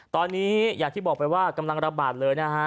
ตอนนี้อย่างที่บอกไปว่ากำลังระบาดเลยนะฮะ